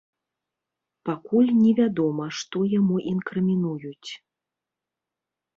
Пакуль невядома, што яму інкрымінуюць.